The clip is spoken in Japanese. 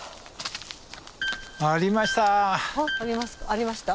ありました？